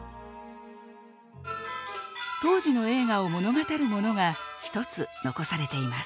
当時の栄華を物語るものが１つ残されています。